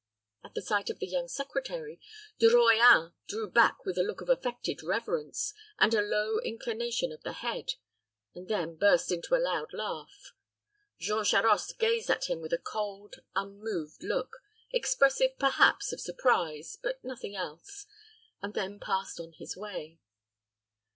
At the sight of the young secretary, De Royans drew back with a look of affected reverence, and a low inclination of the head, and then burst into a loud laugh. Jean Charost gazed at him with a cold, unmoved look, expressive, perhaps, of surprise, but nothing else, and then passed on his way.